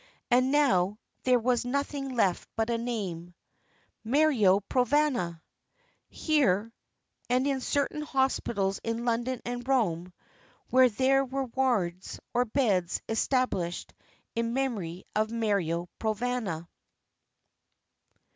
And now there was nothing left but a name MARIO PROVANA here, and in certain hospitals in London and Rome, where there were wards or beds established in memory of Mario Provana.